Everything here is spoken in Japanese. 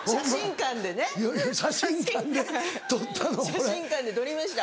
写真館で撮りました